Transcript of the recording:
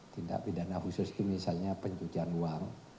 tindak pidana khusus itu misalnya pencucian uang